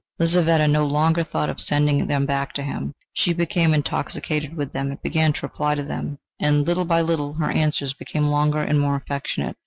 Lizaveta no longer thought of sending them back to him: she became intoxicated with them and began to reply to them, and little by little her answers became longer and more affectionate.